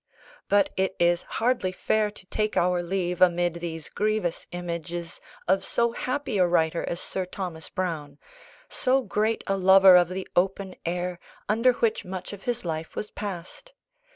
But it is hardly fair to take our leave amid these grievous images of so happy a writer as Sir Thomas Browne; so great a lover of the open air, under which much of his life was passed.